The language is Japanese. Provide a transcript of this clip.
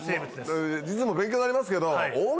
いつも勉強になりますけど。